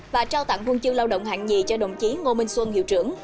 và trao tặng huân chương lao động hạng nhì cho đồng chí ngô minh xuân hiệu trưởng